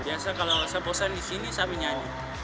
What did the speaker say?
biasa kalau saya bosan disini saya menyanyi